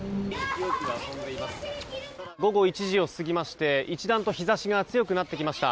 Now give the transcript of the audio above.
午後１時を過ぎまして一段と日差しが強くなってきました。